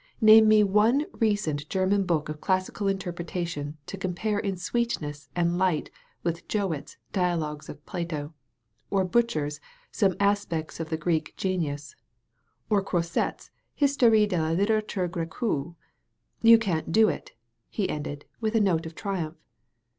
Name me one recent Grerman book of classical interpretation to compare in sweet ness and light with Jowett's 'Dialogues of Plato' or Butcher's *Some Aspects of the Greek Grenius' or Croiset's 'Histoire de la Litt^rature Grecque.* You can't do it," he ended, with a note of triumph.